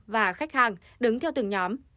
và khách hàng đứng theo từng nhóm